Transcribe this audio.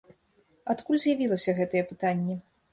Адкуль з'явілася гэтае пытанне?